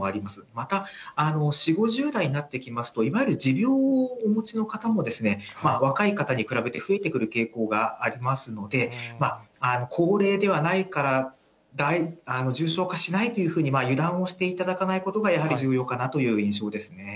また、４、５０代になってきますと、いわゆる持病をお持ちの方も、若い方に比べて増えてくる傾向がありますので、高齢ではないから重症化しないというふうに油断をしていただかないことがやはり重要かなという印象ですね。